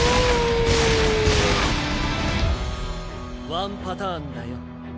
ワンパターンだよ。